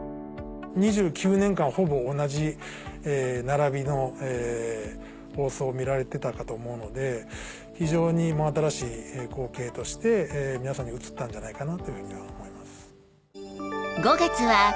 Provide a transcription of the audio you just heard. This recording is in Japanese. ２９年間ほぼ同じ並びの放送を見られてたかと思うので非常に真新しい光景として皆さんに映ったんじゃないかなというふうには思います。